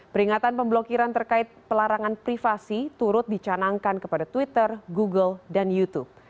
peringatan pemblokiran terkait pelarangan privasi turut dicanangkan kepada twitter google dan youtube